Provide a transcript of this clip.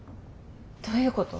どういうこと？